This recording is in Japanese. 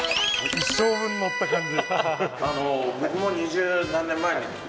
一生分乗った感じ。